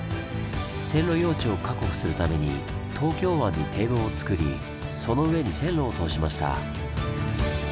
線路用地を確保するために東京湾に堤防をつくりその上に線路を通しました。